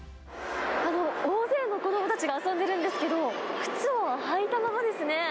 大勢の子どもたちが遊んでるんですけれども、靴を履いたままですね！